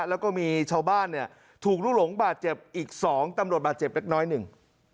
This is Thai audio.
แล้วก็มีชาวบ้านเนี่ยถูกลุกหลงบาดเจ็บอีกสองตำรวจบาดเจ็บเล็กน้อยหนึ่ง